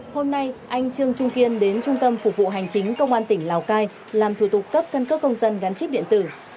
hôm nay anh trương trung kiên đến trung tâm phục vụ hành chính công an tỉnh lào cai làm thủ tục cấp căn cước công dân gắn chip điện tử